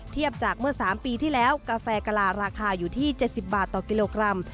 เทียบจากเมื่อ๓ปีที่แล้วกาแฟกะลาราคาอยู่ที่๗๐บาทต่อกิโลกรัม